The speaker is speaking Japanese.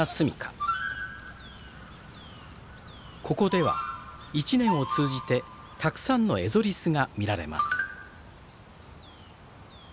ここでは一年を通じてたくさんのエゾリスが見られます。